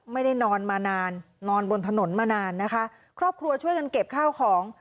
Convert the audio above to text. ไม่ได้นอนมานานนอนบนถนนมานานนะคะครอบครัวช่วยกันเก็บข้าวของ